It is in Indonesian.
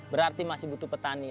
berarti masih butuh petani